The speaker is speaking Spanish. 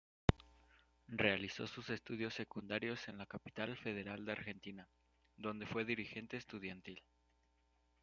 Realizó sus estudios secundarios en la capital federal de Argentina, donde fue dirigente estudiantil.